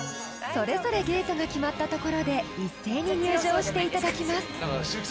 ［それぞれゲートが決まったところで一斉に入場していただきます］